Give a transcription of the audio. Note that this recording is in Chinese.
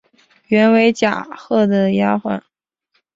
原为贾赦的丫环。